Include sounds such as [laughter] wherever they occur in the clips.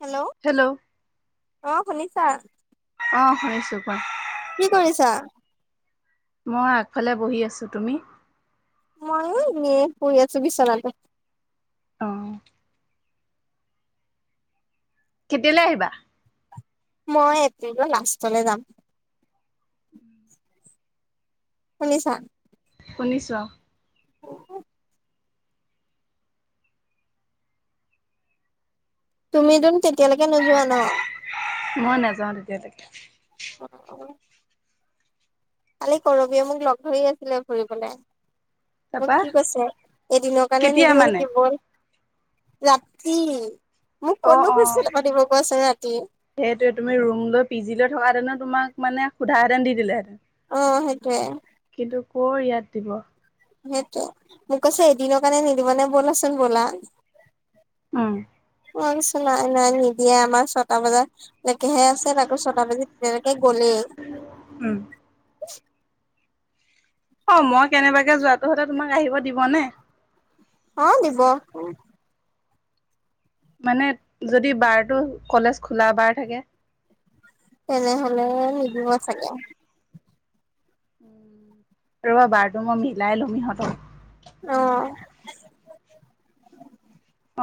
Hello. অ', শুনিছা? অ', শুনিছোঁ কুৱা কি কৰিছা? মই আগফালে বহি আছোঁ, তুমি? মইও এনেই শুই আছোঁ বিচনাতে। অহ। কেতিয়ালৈ আহিবা? মই এপ্ৰিলৰ লাষ্টলৈ যাম। শুনিছা? শুনিছো অ'। তুম তোন তেতিয়ালৈকে নোযোৱা ন'। মই নাযাও তেতিয়ালৈকে অ', অ'। কালি কৰবিয়ে মোক লগ ধৰি আছিলে ফুৰিবলৈ। মোক তাৰপা কি কৈছে, এদিনৰ কাৰণে কেতিয়া নিদিব মানে নেকি বল। ৰাতি। মোক ক'তনো অ', অ', খুজিছিলে পাতিব কোৱাচোন ৰাতি সেইটোৱে তুমি ৰুম লৈ পি জি লৈ থকা দেন তোমাক মানে সোধােহেঁতেন দি দিলেহেঁতেন অ সেইটোৱে কিন্তু কৰ ইয়াত দিব সেইটো মোক কৈছে এদিনৰ কাৰণে নিদিবা নে ব'লাচোন ব'লা উম অ চ নাই নাই নিদিয়ে আমাৰ ছটা বজাত লেকেহে আছে আকৌ ছটা বজি তিনেলৈকে গলেই উম অ মই কেনেবাকে যোৱটো হলেতোমাক আহিব দিবনে অ নিব মানে যদি বাৰটো কলেজ খোলা বাৰ থাকে তেনেহলে নিদিব চাগে অ ৰবা বাৰটো মই মিলাই লম ইহঁতৰ অহ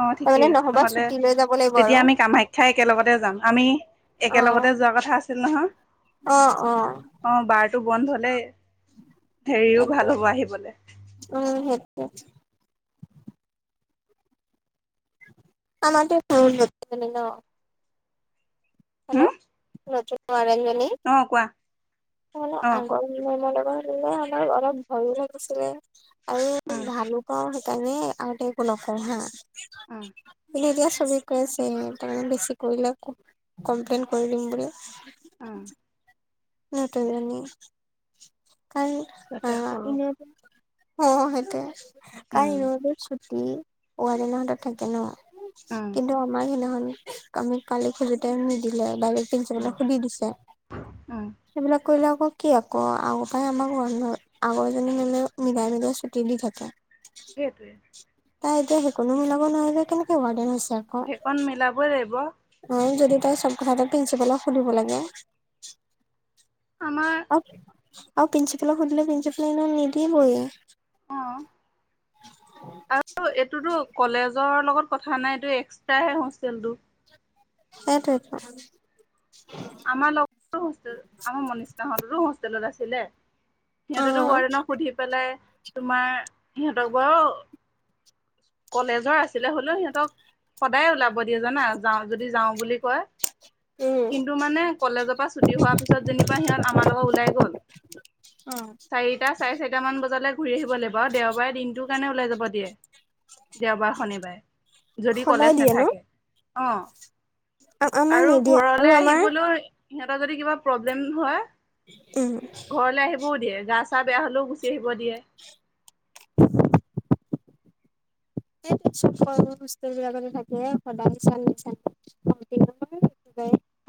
অ ঠিকেই নহলে লাগিব তেতিয়া আৰু আমি কামাখ্যাই একেলগতে যাম আমি অ একেলগতে যোৱাৰ কথা আছিল নহয় অ অ অ বাৰটো বন্ধ হলে হেৰিও ভাল হ'ব আহিবলৈ অ আমাটো হম হেল্ল'ন নঞ্জনী অ' কোৱা [unintelligible] অ' আমাৰ অলপ ভয়ো লাগিছিলে আৰু উম ভালুকাও তেনে আগতে একো নকওঁ হা উম আজি কৈ আছে তাৰে বেছি কৰিলে কমপ্লেইন কৰি দিম বুলি উম [unintelligible] অ সেইটোৱে কাই ৰ তাতে সৰু ছুটি উম ৱাৰডেন হাতত থাকে ন উম কিন্তু আমাৰ সেইদিনাখন আমি কালি খোজোতে নিদিলে চাবলৈ উম সুধি দিছে উম সেইবিলাক কৰিলে আকৌ কি আকৌ আগৰ পৰাই আমাক মন্ধ আগৰ এজনী মোলে মিলাই মিলাই ছুটি দি থাকে সেইটোৱে তাই এতিয়া সেইকণো মিলাব নোৱাৰিলে ৱাৰডেন হৈছে সেইকণ মিলাবই লাগিব [unintelligible] চব কথা এটা প্ৰিন্ঞ্চিপালক সুধিব লাগে আমাৰ আৰু আৰু প্ৰিন্ঞ্চিপাল সুধে প্ৰিঞ্চিপালে নিদিবয়ে অ আৰু এইটোতো কলেজৰ লগত কথা নাইতটো এক্সট্ৰাহে হোষ্টেলটো সেইটোৱেটো আমাৰ লগৰো হোষ্টেল আমাৰ মনিষাহঁতৰো হোষ্টেলত আছিলে সিহঁতেতো অ ৱাৰ্ডেনক সুধি পেলাই তোমাৰ সিহঁতক বাৰু কলেজৰ আছিলে হলেও সিহঁতক সদায় ওলাব দিয়ে জানা যাওঁ যদি যাওঁ বুলি কয় উম টো মানে কলেজৰ পৰা ছুটি হোৱাৰ পিছত যেনিবা সিহঁত আমাৰ লগত ওলাই গ'ল চাৰিটা চাৰে চাৰিটা মান বজালৈ ঘূৰি আহিব লাগিব আৰু দেওবাৰে দিনটোৰ কাৰণে ওলাই যাব দিয়ে দেওবাৰ শনিবাৰে যদি সদায় কলেজ দিয়ে ন নাথাকে আহ আমাৰ আৰু নিদিয়ে আৰু ঘৰলে আহিব আমাৰ সিহঁতৰ যদি কিবা প্ৰব্লেম হয় উম ঘৰলে আহিবও দিয়ে গা চা বেয়া হ'লেও গুচি আহিব দিয়ে [inaudible] সু বিলাকত থাকে সদায় নিচ নিচ ক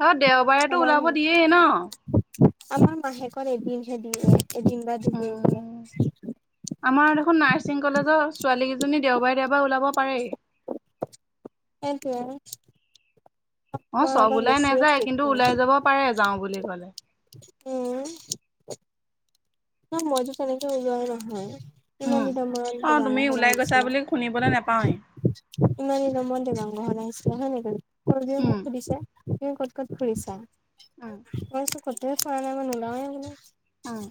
আৰু দেওবাৰেতো ওলাব দিয়েই ন আমাৰ মাহেকত এদিনহে দিলে এদিন বা দুদিন দিয়ে। উম আমাৰ দেখোন নাৰ্ছিং কলেজৰ ছোৱালী কেইজনী দেওঁবাৰে দেওঁবাৰে ওলাব পাৰে। এটোৱে অ আমাৰ চব অলপ ওলাই বেছি নাযায় ইচট্ৰিক কিন্তু কৰে। ওলাই যাব পাৰে যাওঁ বুলি ক'লে এই মইজো তেনেকে ওলাই নাহো। ইমান উম। দিন মূৰট অ তুমি তোমাৰলোক ঘৰত ওলাই গৈছা আহিছিলে? বুলি শুনিবলৈ নোপাওঁৱেই ইমান দিনৰ মূৰত তোমাৰ লোক ঘৰত আহিছে? হয় নেকি [unintelligible] উম মোক সুধিছে তুমি ক'ত ক'ত ফুৰিছা? উম মই কৈছোঁ কতো ফূৰাই নাই মই নোলাওঁ বোলোঁ। উম।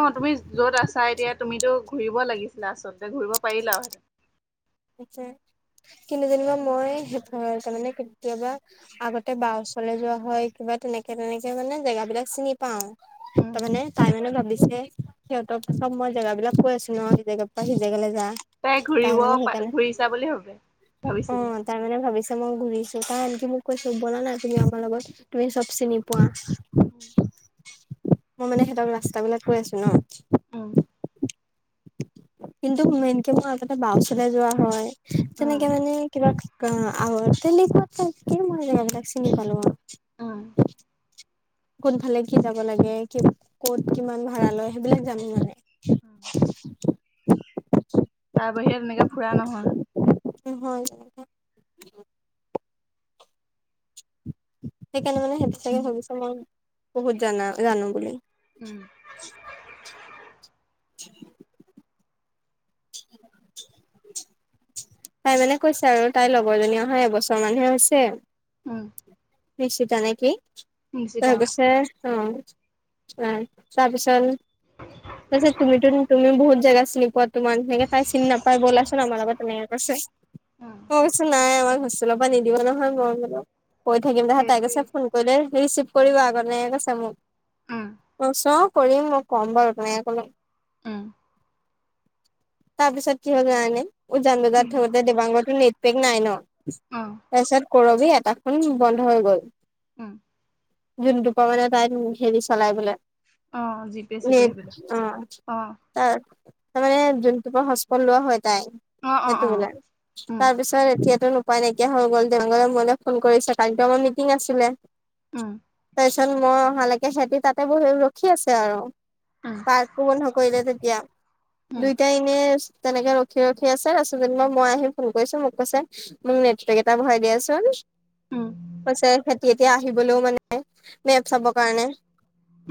অ' তুমি য'ত আছা এতিয়া তুমিতো ঘুৰিব লাগিছিলে, আচলতে ঘূৰিব পাৰিলা হেঁতেন। যে কিন্তু যেনিবা মই তাৰমানে কেতিয়াবা আগতে বা ওচৰলে যোৱা হয়, কিবা তেনেকে তেনেকে মানে জেগাব বিলাক চিনি পাওঁ। উম তাৰ মানে তাই মানে ভাবি ছে, সিহঁতৰ চ'ব মই জেগা বিলাক কৈ আছোঁ ন সি জেগাৰ পৰা উম সিজেগালৈ যা তাই তাইৰ ঘূৰিব মানে সেইকাৰণে ঘূৰিছা বুলি ভাবে। অ' ভাবিছিলে। তাইৰ মানে ভাবিছে মই ঘুৰিছোঁ কাৰণ কি মোক কৈছে ব'লা না, তুমি আমাৰ লগত তুমি চ'ব চিনি পোৱা। উম। মই মানে সিহঁতক ৰাস্তা বিলাক কৈ আছোঁ ন। উম কিন্তু মেনকে মই আগতে বাওচৰলৈ যোৱা হয়, উম তেনেকে মানে কিবা অ' আৰু তেনেকুৱা টাইপকে মই এইবিলাক চিনি পালোঁ আৰু উম। কোন ফালে কি যাব লাগে, কি ক'ত, কিমান ভাড়া লয় সেইবিলাক জানো মানে। উম। [inaudible] তাৰ বাহিৰে তেনেকে ফুৰা নহয়। উম হয়। সেইকাৰণে মানে সিহঁতে চাগে ভাবিছে মই বহুত জানা জানো বুলি। উম। [inaudible] [inaudible] তাই মানে কৈছে আৰু, তাইৰ লগৰজনী অহা এবছৰ মানহে হৈছে। উম। নিশিতা নে কি? নিশ্চিত তাই অ কৈছে। অ' অ', তাৰপিছত তাৰপিছত তুমিটো তুমি বহুত জেগা চিনি পোৱা, তোমাৰ নিছিনাকে তাই চিনি নাপাই ব'লাচোন আমাৰ লগত তেনেকে কৈছে। উম মই কৈছো, নাই আমাক হোষ্টেলৰ পৰা নিদিব নহয় মই বোলো। কৈ থাকিম, [unintelligible] তাই সেইটোৱেই কৈছে, ফোন কৰিলে ৰিচিভ কৰিবা আকৌ তেনেকে কৈছে মোক। উম মই কৈছোঁ অ'। কৰিম মই। ক'ম বাৰু, তেনেকে কলো। উম। তাৰপিছত কি হ'ল জানানে? উজান কি বজাৰত থাকোতে দিবাংকতো নেটপেক নাই ন। অঁ তাৰপিছত, কৰবি এটা ফোন বন্ধ হৈ গল। উম। দিন দুপৰ মানে তাই হেৰি চলাই বোলে। অঁ জিপে চিপে নিত সেইবিলাক অ', অঁ তাৰ। তাৰ মানে যোনটো পৰা হচপত লোৱা হয় তাই অঁ অঁ সেইটো অঁ বোলে। উম তাৰপিছত এতিয়াতো উপাই নাইকিয়া হৈ গ'ল তেনেকুৱাতে মোলৈ ফোন কৰিছে কালিটো আমাৰ মিটিং আছিলে। উম। তাৰ পিছত মই অহালৈকে সিহতি তাতে বহি ৰখি আছে আৰু উম পাৰ্কো বন্ধ কৰিলে তেতি এতিয়া, উম দুইটাই ইনে তেনেকে ৰখি ৰখি আছে, তাৰপিছত যেনিবা মই আহিম ফোন কৰিছোঁ, মোক কৈছে মোক নেটপেক এটা ভৰাই দিয়াচোন। উম কৈছে সিহঁতি এতিয়া আহিবলৈও মানে, মেপ চাব কাৰণে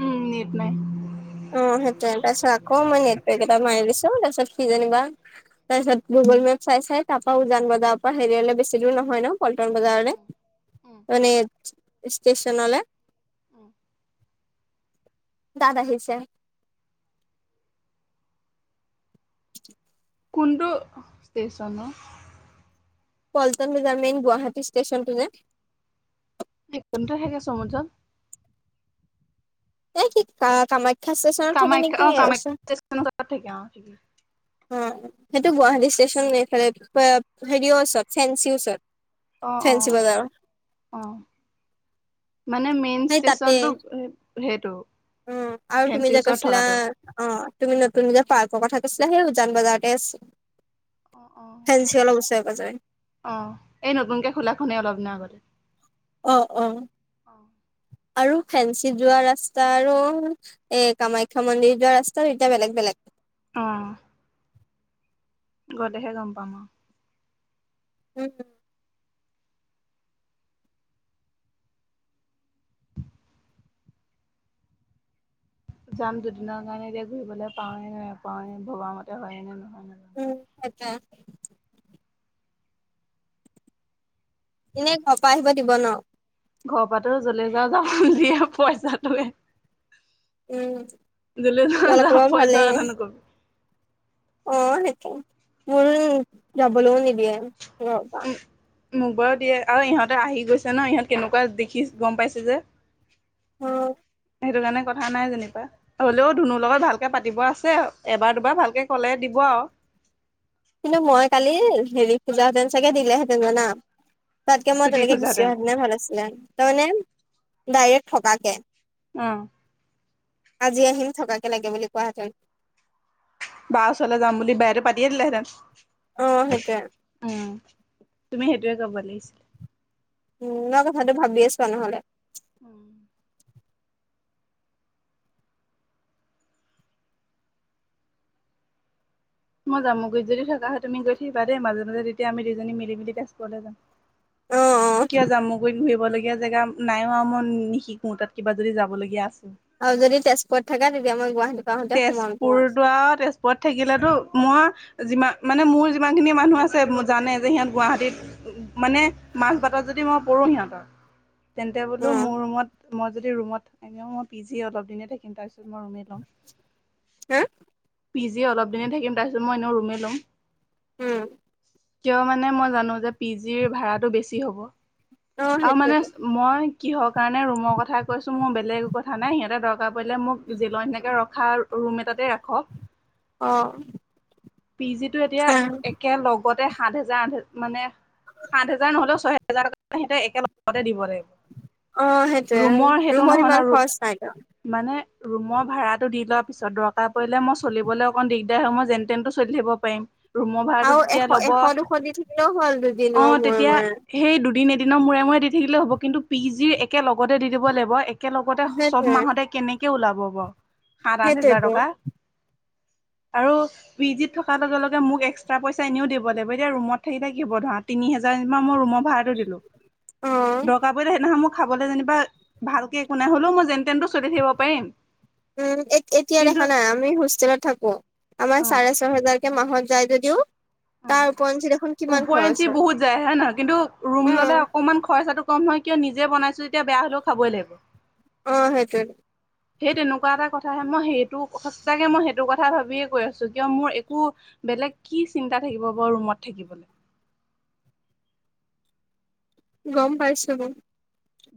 উম নেট নাই অ' সেইটোৱে, তাৰপিছত আকৌ মই নেট পেক এটা ভৰাই দিছোঁ। তাৰপিছত সি যেনিবা, তাৰ পিছত গুগল মেপ চাই চাই তাৰ পৰা উজান বজাৰৰ পৰা হেৰিয়ালে বেছি দূৰ নহয় হয় ন পল্টন বজাৰলৈ, মানে ষ্টেচনলে উম। তাত আহিছে। [inaudible] কোনটো ষ্টেচন ন? পল্টন বজাৰ, মেইন গুৱাহাটী ষ্টেচনটো যে। এক [unintelligible] চাগে সমুজ্বল। এই কি কা-কামাখ্যা ষ্টেচনত থাকে কামাখ্যা নেকি? অঁ কামাখ্যা ৰচোন ষ্টেচনৰ ওচৰত থাকে অঁ ঠিকে অ', সেইটো গুৱাহাটী ষ্টেচন এইফালে, পা হেৰি ওচৰত ফেঞ্চি ওচৰত। অ' ফেঞ্চি অ', বজাৰৰ অ'। মানে মেইন সেই তাতে ষ্টেচনতটো সেই সেইটো? উম, আৰু তুমি ফেঞ্চিৰ যে ওচৰত কৈছিলা থকাটো অ' তুমি নতুন যে, পাৰ্কৰ কথা কৈছি সেই উজান বজাৰতে আছে, ফেঞ্চি অলপ ওচৰে- পাজৰে। অ' এই নতুনকে খোলাখনেই অলপ দিনৰ আগতে। অ' অ'। আৰু ফেঞ্চি যোৱা ৰাস্তা আৰু এ কামাখ্যা মন্দিৰ যোৱা ৰাস্তাটো দুইটা বেলেগ বেলেগ। অ'। ঘতেহে গম পাম অ' উম। যাম দুদিনৰ কাৰণে এতিয়া ঘুৰিবলৈ পাওঁৱে নে নোপাওঁৱে ভবা মতে হয়ে নে নহয়। নাজানো। উম আটা এনে ঘৰ পা আহিব দিব ন? ঘৰ পৰাটো য'লে যাৱ যা বুলিয়ে পইচাটোৱে উম ল'লে যাৱ যা, তোমালোকৰ বাৰু ভালেই পইচাৰ কথা ন'কবি অ' সেইটো, মোৰো যাবলৈও নিদিয়ে ঘৰৰ পা। মোক বাৰু দিয়ে আৰু ইহঁতে আহি গৈছে ন, ইহঁত কেনেকুৱা দেখি গম পাইছে যে। উম। সেইটো কাৰণে কথা নাই যেনিবা হ'লেও ধুনুৰ লগত ভালকে পাতিব আছে, এবাৰ দুবাৰ ভালকে কলে দিব আৰু। [inaudible] কিন্তু মই কালি হেৰি খোজাহেঁতেন চাগে দিলেহেঁতেন জানা। তাতকে মই ছুটি তেনেকে গুচি খোজাহেঁতেন অহা হেঁতেনে ভাল আছিলে, তাৰমানে ডাইৰেক্ট থকাকে। অ'। আজি আহিম থকাকে লাগে বুলি কোৱাহেঁতেন। বা ওচৰলে যাম বুলি বায়েটো পাতিয়ে দিলেহেঁতেন, অ', সেইটোয়ে উম। তুমি সেইটোয়ে কৰিব লাগিছিলা উ মই কথাতটো ভাবিয়ে চোৱা নহ'লে মই জামুগুৰিত যদি থকা হয় তুমি গৈ থাকিবা দেই মাজে মাজে তেতিয়া আমি দুজনী মিলি মিলি তেজপুৰলৈ যাম। [inaudible] অ', অ', কিয় জামুগুৰিত ঘূৰিবলগীয়া জেগা নাইও আৰু মই নিশিকোঁ তাত কিবা যদি যাবলগীয়া আছিল আৰু যদি তেজপুৰত থাকা তেতিয়া আমাৰ গুৱাহাটী পৰা আহোতে সোমাম তোমাৰ তেজপুৰতো আৰু তেজপুৰত থাকিলেতো মই যিমান, মানে মোৰ যিমান খিনি মানুহ আছে জানে যে সিহঁত গুৱাহাটীত মানে মাজবাটত যদি মই পৰোঁ সিহঁতৰ তেন্তে বোলো উম, মোৰ ৰুমত মই যদি ৰুমত আ মই পিজি অলপ দিনে থাকিম তাৰপিছত ৰুমেই লম, হা পিজি অলপ দিনে থাকিম তাৰ ত মই এনেও ৰুমে ল'ম। উম। কিয় মানে মই জানো যে, পি জিৰ ভাড়াটো বেছি হ'ব। অ', আৰু মানে সেইটোয়েতো মই কিহৰ কাৰণে ৰুমৰ কথা কৈছোঁ মোৰ বেলেগ একো কথা নাই সিহঁতে দৰকাৰ কাৰ পৰিলে মোক জেলৰ নিচিনাকে ৰখা ৰুম এটাতে ৰাখক অ'। পি জি টো এতিয়া একে লগ লগতে সাত হেজাৰ আঠ মানে সাত হেজাৰ নহ'লেও ছয় হেজাৰ সিহঁতে একেলগতে দিব লাগিব। অ', সেইটোয়ে ৰুমৰ সেইটো ৰুমত নহয় ন, ইমান খৰচ নাইতো মানে ৰুমৰ ভাড়াত দি লোৱাৰ পিছত দৰকাৰ পৰিলে মই চলিবলৈ অকণ দিগদাৰ হয়, মই যেনতেনটো চলি থাকিব পাৰিম। ৰুমৰ ভাড়াটো আৰু এশ তেতিয়া ল'ব এশ দুশ দি থাকিলেও হ'ল দুদিনৰ অ', মূৰে তেতিয়া মূৰে সেই দুদিন দিনৰ মূৰে মূৰে দি থাকিলেই হ'ব, কিন্তু পি জি একেলতে দি দিব লাগিব একেলগতে চব সেইটোয়ে মাহতে কেনেক কে ওলাব বাৰু সাত আঠ হোজাৰ সেইটোয়েতো টকা আৰু পি জিত থকাৰ লগে লগে মোক এক্সট্ৰা পইচা এনেও দিব লাগিব এতিয়া ৰুমত থাকিলে কি হ'ব ধৰা তিনি হাজাৰ যেনিবা মই ৰুমৰ ভাড়াটো দিলোঁ, অ', দৰকাৰ পৰিলে সেইদিনা মোক খাবলৈ যেনিবা ভালকে একো নাই হ'লেও মই যেন তেনটো চলি থাকিব পাৰিম। উম, এক এতিয়া কিন্তু দেখা নাই আমি হোষ্টেলত থাকোঁ, আমাৰ অ চাৰে ছ হেজাৰ এক মাহত যায় যদিও উ, তাৰ ওপৰঞ্চি দেখোন কিমান খৰচ ওপৰেঞ্চি হয় বহুত যায় হে নহয় কিন্তু ৰুম ল'লে অ', অকনমান খৰচাটো কম হয় কিয় নিজে বনাইছোঁ তেতিয়া বেয়া হ'লেও খাবই লাগিব। অ' সেইটোয়ে। সেই তেনেকুৱা এটা কথাহে মই সেইটো সঁচাকে মই সেইটো কথা ভাবিয়ে কৈ আছোঁ কিয় মোৰ একো বেলেগ কি চিন্তা থাকিব বাৰু ৰুমত থাকিবলৈ। গম পাইছো মই।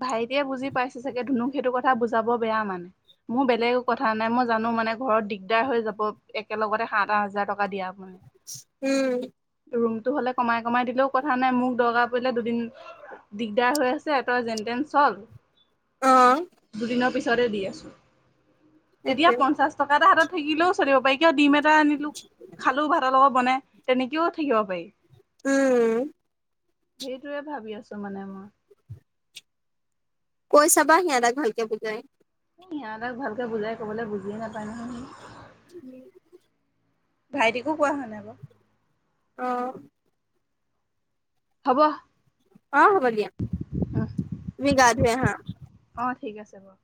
ভাইটিয়ে বুজি পাইছে চাগে ধুনুক সেইটো কথা বুজাব বেয়া মানে মোৰ বেলেগ কথা নাই মই জানোঁ মানে ঘৰত দিগদাৰ হৈ যাব একেলগতে সাত আঠ হাজাৰ টকা দিয়া। উম। তটো হ'লে কমাই কমাই দিলেও কথা নাই, মোক দৰকাৰ পৰিলে দুদিন দিগদাৰ হৈ আছে যেনতেন চল, অ দুদিনৰ পিছতে দি আছোঁ। এতিয়া সেইটোৱে পঞ্চাশ টকা এটা হাতত থাকিলেও চলিব পাৰি কিয় ডিম এটা আনিলোঁ খালোঁ ভাতৰ লগত বনাই, তেনেকেও থাকিব পাৰি। উম। সেইটোৱে ভাবি আছোঁ মানে মই। কৈ চাবা সিহঁতক ভালকে বুজায়। ইহঁতক ভালকে বুজাই ক'বলৈ বুজিয়ে নাপায় নহয়। উম। ভাইটিকো কোৱা হোৱা নাই বাৰু। অ হ'ব। অ হ'ব দিয়া, তুমি গা ধুই আহা। অ ঠিক আছে বাৰু।